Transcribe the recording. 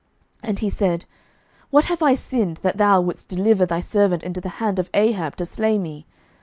11:018:009 And he said, What have I sinned, that thou wouldest deliver thy servant into the hand of Ahab, to slay me?